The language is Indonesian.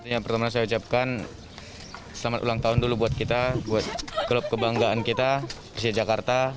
yang pertama saya ucapkan selamat ulang tahun dulu buat kita buat klub kebanggaan kita persija jakarta